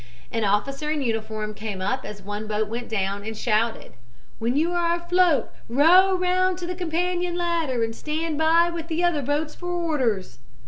An officer in uniform came up as one boat went down and shouted, "When you are afloat row round to the companion ladder and stand by with the other boats for orders.'